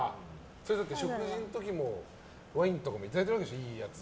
食事の時もワインとかいただいてるわけでしょいいやつ。